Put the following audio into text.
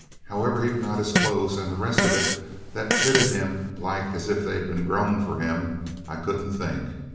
However he'd got his clothes and the rest of it that fitted him like as if they'd been grown for him, I couldn't think.